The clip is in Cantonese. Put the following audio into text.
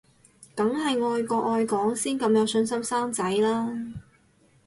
梗係愛國愛港先咁有信心生仔啦